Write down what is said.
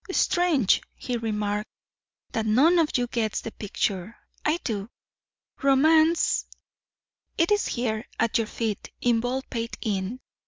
"Strange," he remarked, "that none of you gets the picture I do. Romance it is here at your feet in Baldpate Inn.